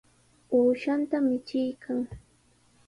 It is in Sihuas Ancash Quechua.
Uushanta michiykan.